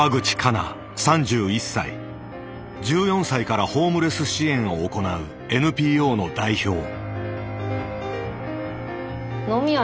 １４歳からホームレス支援を行うＮＰＯの代表。